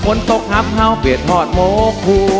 ฝนตกทำเฮ้าเปรียดหอดโมกฮู